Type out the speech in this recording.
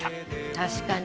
確かに。